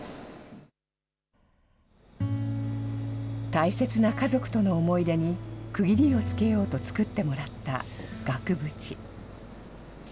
大切な家族との思い出に、区切りをつけようと作ってもらった額縁。